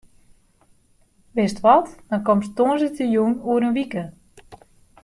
Wist wat, dan komst tongersdeitejûn oer in wike.